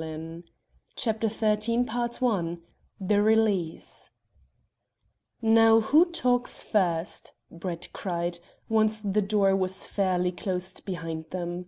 Let us go there." CHAPTER XIII THE RELEASE "Now, who talks first?" Brett cried, once the door was fairly closed behind them.